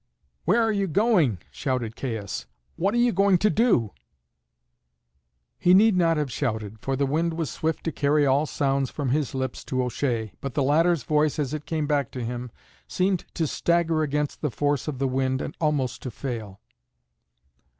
"Where are you going?" shouted Caius. "What are you going to do?" He need not have shouted, for the wind was swift to carry all sounds from his lips to O'Shea; but the latter's voice, as it came back to him, seemed to stagger against the force of the wind and almost to fail.